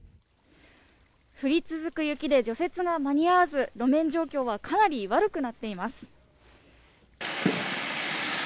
降り続く雪で除雪が間に合わず、路面状況はかなり悪くなっています。